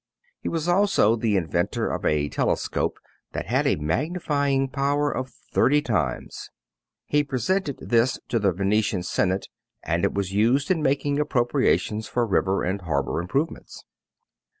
He was also the inventor of a telescope that had a magnifying power of thirty times. He presented this to the Venetian senate, and it was used in making appropriations for river and harbor improvements.